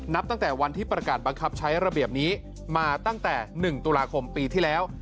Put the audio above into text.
ตั้งแต่วันที่ประกาศบังคับใช้ระเบียบนี้มาตั้งแต่๑ตุลาคมปีที่แล้ว